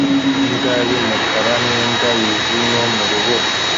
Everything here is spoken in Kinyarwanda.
Imbwa y'umukara n'imbwa yijimye mu rubura